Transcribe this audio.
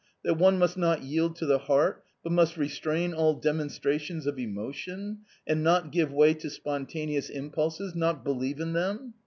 That one must not yield to the heart, but must restrain all demonstrations of emotion, and not give way to spontaneous impulses, not believe in them